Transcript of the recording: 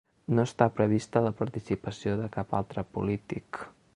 No està prevista la participació de cap altre polític.